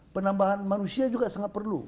penambahan manusia juga sangat perlu